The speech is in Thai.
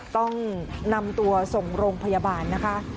ต้องนำตัวส่งโรงพยาบาลนะคะ